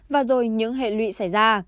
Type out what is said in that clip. và rồi những hệ lụy xảy ra